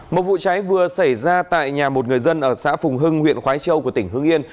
một vụ cháy vừa xảy ra tại nhà một người dân ở xã phùng hưng huyện khói châu của tỉnh hưng yên